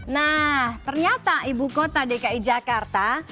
nah ternyata ibu kota dki jakarta